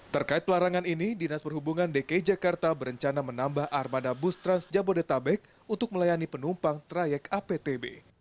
terkait pelarangan ini dinas perhubungan dki jakarta berencana menambah armada bus trans jabodetabek untuk melayani penumpang trayek aptb